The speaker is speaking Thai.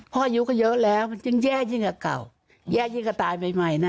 พ่ออายุก็เยอะแล้วมันยังแย่จริงกับเก่าแย่จริงกับตายใหม่ใหม่น่ะ